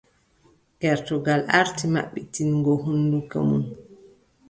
Gertogal aarti maɓɓititgo hunnduko mun.